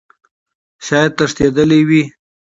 شايد تښتيدلى وي .